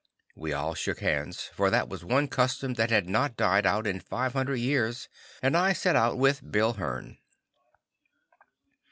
We all shook hands, for that was one custom that had not died out in five hundred years, and I set out with Bill Hearn.